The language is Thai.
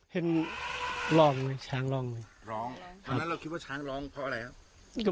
เห็นลองไหมช้างร้องไหมร้องตอนนั้นเราคิดว่าช้างร้องเพราะอะไรครับ